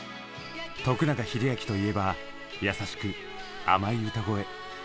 永明といえば優しく甘い歌声。